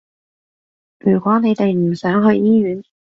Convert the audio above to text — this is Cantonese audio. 如果你哋唔想去醫院